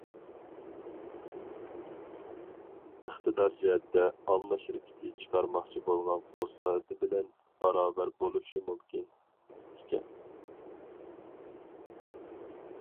ئىقتىدار جەھەتتە ئالما شىركىتى چىقارماقچى بولغان قول سائىتى بىلەن باراۋەر بولۇشى مۇمكىن ئىكەن.